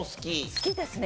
好きですね。